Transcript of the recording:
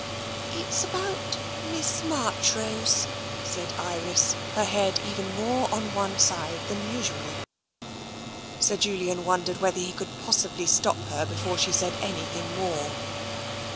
" It's about Miss Marchrose," said Iris, her head even more on one side than usual. Sir Julian wondered whether he could possibly stop her before she said anything more.